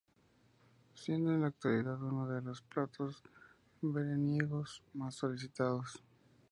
Siendo en la actualidad uno de los platos veraniegos más solicitados.